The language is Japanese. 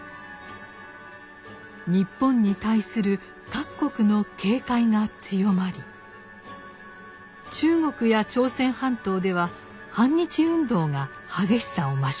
日本に対する各国の警戒が強まり中国や朝鮮半島では反日運動が激しさを増しました。